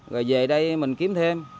rồi về đây mình kiếm thêm